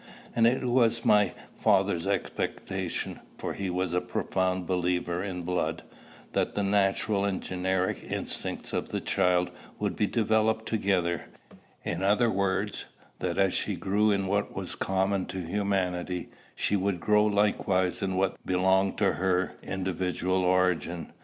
And it was my father's expectation, for he was a profound believer in blood, that the natural and generic instincts of the child would be developed together; in other words, that as she grew in what was common to humanity, she would grow likewise in what belonged to her individual origin.